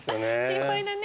心配だね。